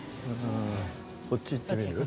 こっち行ってみる？